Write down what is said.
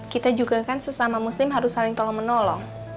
kita juga kan sesama muslim harus saling tolong menolong